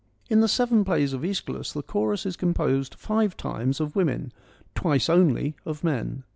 In the seven plays of ^Eschylus, the chorus is com posed five times of women, twice only of men.